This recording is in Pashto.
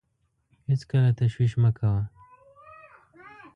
هېڅکله تشویش مه کوه .